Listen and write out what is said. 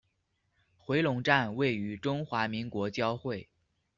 回龙站位于中华民国交会。